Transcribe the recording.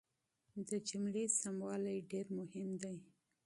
د جملې ترتيب ډېر مهم دی.